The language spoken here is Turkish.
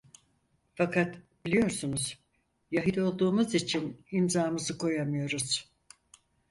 Fakat biliyorsunuz, Yahudi olduğumuz için imzamızı koyamıyoruz!